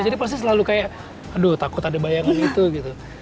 jadi pasti selalu kayak aduh takut ada bayangan gitu